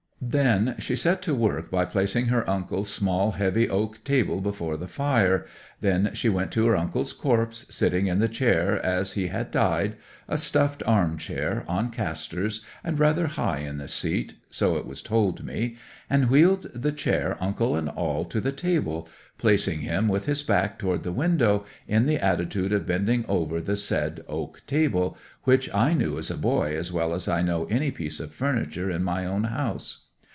Then she set to work by placing her uncle's small, heavy oak table before the fire; then she went to her uncle's corpse, sitting in the chair as he had died—a stuffed arm chair, on casters, and rather high in the seat, so it was told me—and wheeled the chair, uncle and all, to the table, placing him with his back toward the window, in the attitude of bending over the said oak table, which I knew as a boy as well as I know any piece of furniture in my own house.